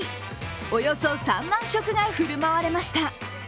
およそ３万食が振る舞われました。